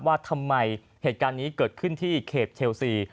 ว่าทำไมเหตุการณ์นี้เกิดขึ้นที่เขตเชลซี